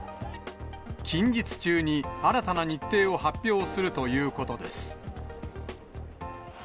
近日中に新たな日程を発表するということです。